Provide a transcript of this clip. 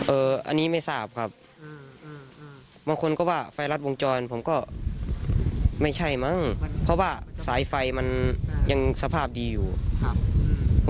อันนี้ไม่ทราบครับบางคนก็ว่าไฟรัดวงจรผมก็ไม่ใช่มั้งเพราะว่าสายไฟมันยังสภาพดีอยู่ครับ